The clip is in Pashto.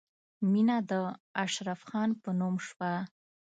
مینه د اشرف خان په نوم شوه